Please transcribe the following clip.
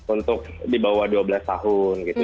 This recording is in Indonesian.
untuk di bawah dua belas tahun gitu